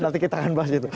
nanti kita akan bahas itu